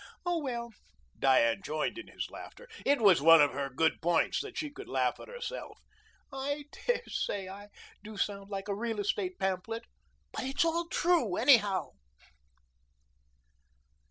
"Oh, well!" Diane joined in his laughter. It was one of her good points that she could laugh at herself. "I dare say I do sound like a real estate pamphlet, but it's all true anyhow."